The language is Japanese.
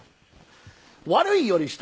「悪い」より下。